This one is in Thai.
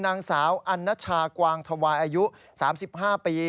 นางสาวอันนชากวางธวายอายุ๓๕ปี